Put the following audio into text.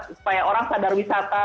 supaya orang sadar wisata